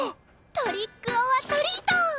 トリックオアトリート！